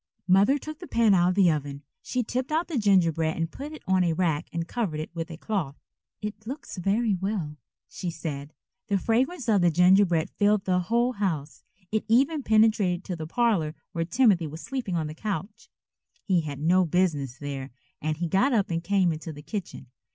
Mother took the pan out of the oven. She tipped out the gingerbread and put it on a rack and covered it with a cloth. "It looks very well," she said. The fragrance of that gingerbread filled the whole house. It even penetrated to the parlor where Timothy was sleeping on the couch. He had no business there and he got up and came into the kitchen.